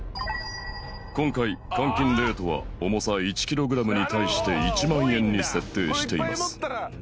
今回換金レートは重さ１ｋｇに対して１万円に設定しています